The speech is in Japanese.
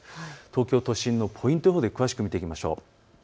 東京都心のポイント予報で詳しく見ていきましょう。